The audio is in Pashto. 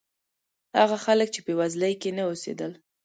هغه خلک چې بېوزلۍ کې نه اوسېدل.